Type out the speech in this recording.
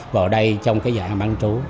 vào đây trong cái dạng bán trú